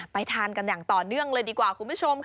ทานกันอย่างต่อเนื่องเลยดีกว่าคุณผู้ชมค่ะ